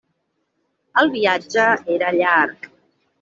El viatge era llarg.